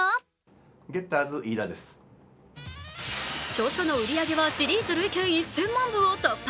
著書の売り上げはシリーズ累計１０００万部を突破。